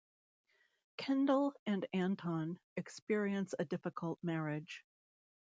Kendall and Anton experience a difficult marriage.